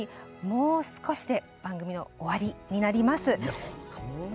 もう少しで番組が終わりになります。